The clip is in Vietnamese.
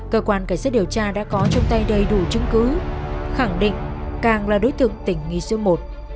cơ quan cảnh sát điều tra đã có trong tay đầy đủ chứng cứ khẳng định càng là đối tượng tỉnh nghị sưu một